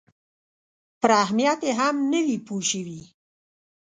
پر اهمیت یې هم نه وي پوه شوي.